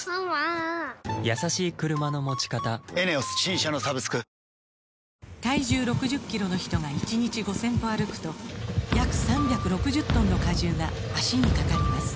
五徳の表面に、体重６０キロの人が１日５０００歩歩くと約３６０トンの荷重が脚にかかります